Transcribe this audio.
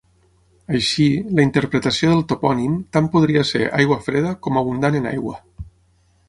Així, la interpretació del topònim tant podria ser aigua freda com abundant en aigua.